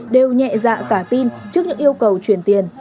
đều nhẹ dạ cả tin trước những yêu cầu chuyển tiền